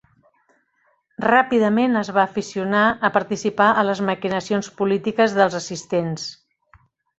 Ràpidament es va aficionar a participar a les maquinacions polítiques dels assistents.